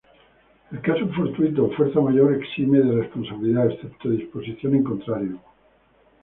El caso fortuito o fuerza mayor exime de responsabilidad, excepto disposición en contrario.